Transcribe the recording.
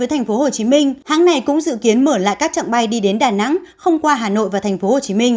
tp hcm hãng này cũng dự kiến mở lại các trạng bay đi đến đà nẵng không qua hà nội và tp hcm